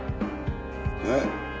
えっ？